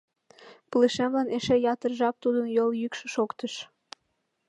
Пылышемлан эше ятыр жап тудын йол йӱкшӧ шоктыш.